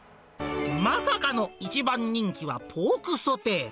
まさかの一番人気はポークソテー。